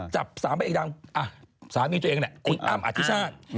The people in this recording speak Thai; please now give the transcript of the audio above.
จับสามเป็นเอกดังอ่ะสามีตัวเองเนี่ยคุณอัมอธิชาติ